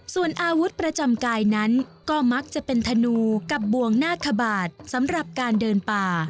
ส่วนอาวุธประจำกายนั้นก็มักจะเป็นธนูกับบวงนาคบาทสำหรับการเดินป่า